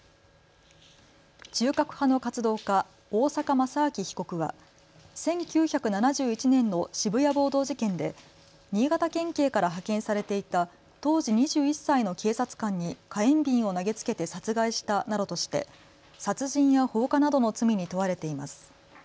中核派の活動家、大坂正明被告は１９７１年の渋谷暴動事件で新潟県警から派遣されていた当時２１歳の警察官に火炎瓶を投げつけて殺害したなどとして殺人や放火などの罪に問われています。